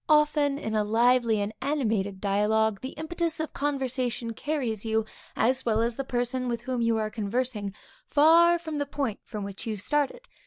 Often in a lively and animated dialogue, the impetus of conversation carries you, as well as the person with whom you are conversing, far from the point from which you started.